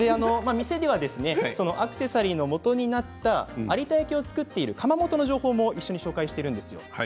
店ではアクセサリーのもとになった有田焼を作っている窯元の情報もご紹介しています。